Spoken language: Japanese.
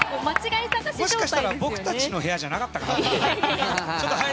もしかしたら僕たちの部屋じゃなかったのかな。